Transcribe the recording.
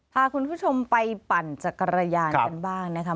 พาคุณผู้ชมไปปั่นจักรยานกันบ้างนะคะ